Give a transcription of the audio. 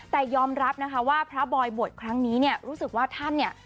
แต่ยอมรับนะคะว่าพระบอยบวชครั้งนี้เนี่ยรู้สึกว่าท่านเนี่ย